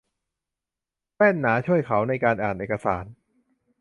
แว่นหนาช่วยเขาในการอ่านเอกสาร